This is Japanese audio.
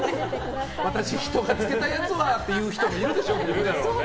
私、人が漬けたやつはって人もいるでしょうね。